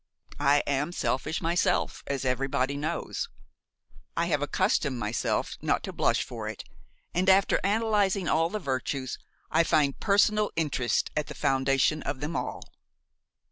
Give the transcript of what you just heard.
I am selfish myself, as everybody knows. I have accustomed myself not to blush for it, and, after analyzing all the virtues, I find personal interest at the foundation of them all.